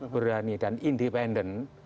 berani dan independen